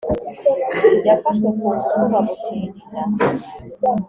Yafashwe kungufu bamutera inda